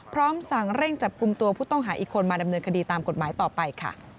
พร้อมสั่งเร่งจับกลุ่มตัวผู้ต้องหาอีกคนมาดำเนินคดีตามกฎหมายต่อไปค่ะ